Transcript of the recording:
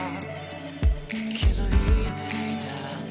「気づいていたんだ